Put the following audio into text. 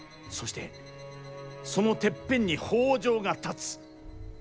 そしてそのてっぺんに北条が立つ。